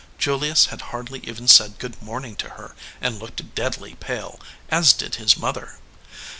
Julius had hardly even said good morning to her, and looked deadly pale, as did his mother.